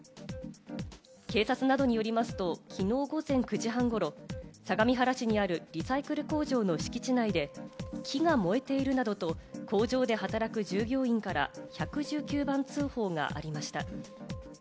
警察などによりますと、きのう午前９時半ごろ、相模原市にあるリサイクル工場の敷地内で、木が燃えているなどと工場で働く従業員から１１９番通報がありました。